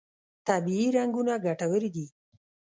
طبیعي رنګونه ګټور دي.